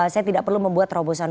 saya tidak perlu membuat terobosan